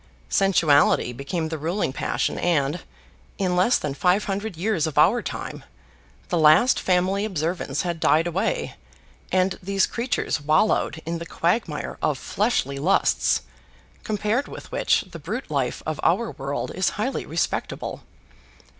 Sensuality became the ruling passion and, in less than five hundred years of our time, the last family observance had died away and these creatures wallowed in the quagmire of fleshly lusts, compared with which the brute life of our world is highly respectable.